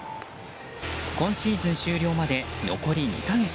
今シーズン終了まで残り２か月。